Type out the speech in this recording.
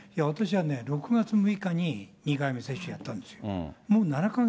私はね、６月６日に２回目接種やったんですよ。